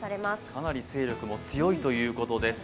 かなり勢力も強いということです。